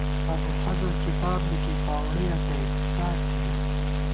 ابُوالفضل کتاب لِکی پاؤڑُیَہ تئ څاٹ تھِمان